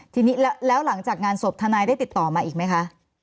ทีนี้แล้วหลังจากงานศพทนายได้ติดต่อมาอีกไหมคะ